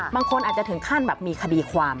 บางคนอาจจะถึงขั้นแบบมีคดีความ